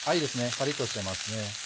パリっとしてますね。